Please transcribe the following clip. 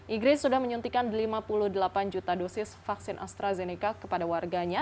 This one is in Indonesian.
inggris sudah menyuntikan lima puluh delapan juta dosis vaksin astrazeneca kepada warganya